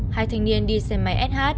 hai thanh niên đi xe máy sh